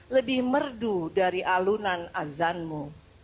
lebih merdu dari alunan azanmu